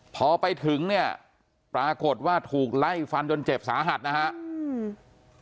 พอไปถึงเนี่ยปรากฏว่าถูกไล่ฟันจนเจ็บสาหัสนะฮะอืม